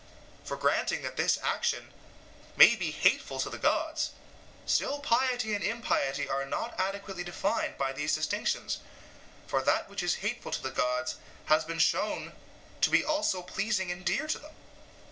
for granting that this action may be hateful to the gods, still piety and impiety are not adequately defined by these distinctions, for that which is hateful to the gods has been shown to be also pleasing and dear to them.'